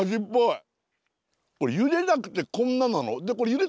ゆでなくてこんななの？